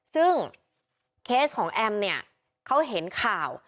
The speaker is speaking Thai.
ซึ่งเคสของแอมเนี่ยเขาเห็นข่าว